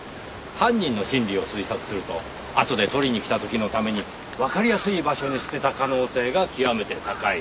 犯人の心理を推察するとあとで取りに来た時のためにわかりやすい場所に捨てた可能性が極めて高い。